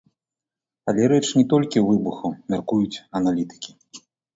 Але рэч не толькі ў выбуху, мяркуюць аналітыкі.